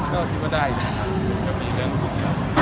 ก็คิดว่าได้เลยครับที่มีเรื่องบุญเลย